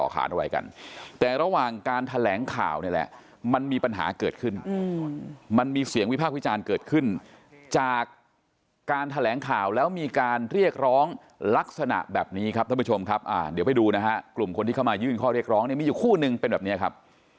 คุณที่ดูนะฮะกลุ่มคนที่เข้ามายืนข้อเรียกร้องนี่มีอยู่คู่หนึ่งเป็นแบบเนี้ยครับ